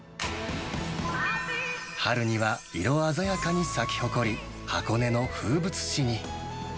春には色鮮やかに咲き誇り、箱根の風物詩に。